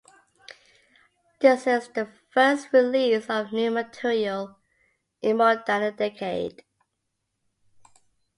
This is their first release of new material in more than a decade.